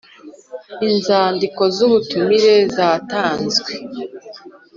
Inzandiko z ubutumire zatanzwe